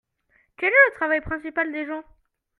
Quel est le travail principal des gens ?